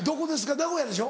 名古屋でしょ？